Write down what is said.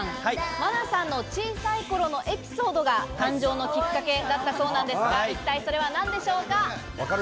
愛奈さんの小さい頃のエピソードが誕生のきっかけだったそうなんですが、一体それは何でしょうか？